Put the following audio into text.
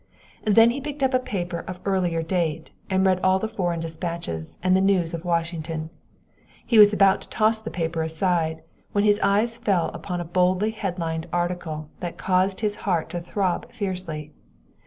Then he picked up a paper of earlier date and read all the foreign despatches and the news of Washington. He was about to toss the paper aside, when his eyes fell upon a boldly headlined article that caused his heart to throb fiercely.